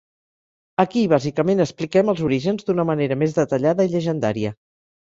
Aquí bàsicament expliquem els orígens d'una manera més detallada i llegendària.